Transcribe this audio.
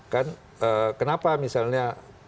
kan kenapa misalnya pak amin rizik pak jokowi dan pak ma'ruf amin